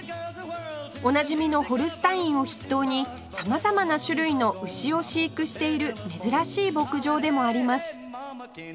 おなじみのホルスタインを筆頭に様々な種類の牛を飼育している珍しい牧場でもあります